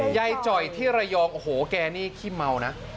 จ่อยที่ระยองโอ้โหแกนี่ขี้เมานะ